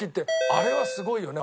あれはすごいよね